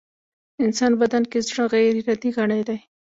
انسان بدن کې زړه غيري ارادې غړی دی.